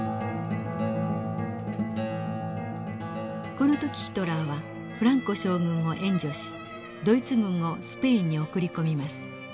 この時ヒトラーはフランコ将軍を援助しドイツ軍をスペインに送り込みます。